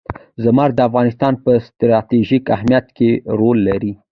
زمرد د افغانستان په ستراتیژیک اهمیت کې رول لري.